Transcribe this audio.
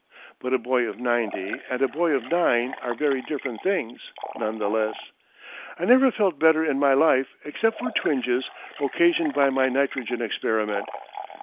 But a boy of ninety and a boy of nine are very different things, none the less. I never felt better in my life except for twinges occasioned by my nitrogen experiment.